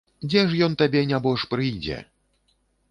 Дзе ж ён табе, нябож, прыйдзе!